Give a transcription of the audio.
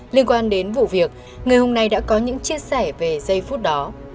liên quan đến vụ việc người hùng này đã có những chia sẻ về giây phút đó